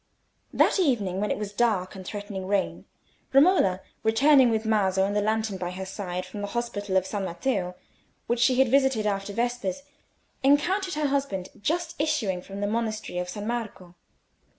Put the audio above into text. That evening, when it was dark and threatening rain, Romola, returning with Maso and the lantern by her side, from the hospital of San Matteo, which she had visited after vespers, encountered her husband just issuing from the monastery of San Marco.